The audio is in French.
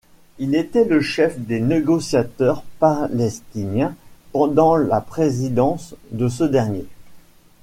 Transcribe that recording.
Il était le chef des négociateurs palestiniens, pendant la présidence de ce dernier.